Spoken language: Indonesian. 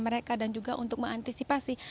mereka dan juga untuk mengantisipasi